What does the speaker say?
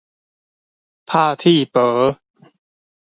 拍鐵婆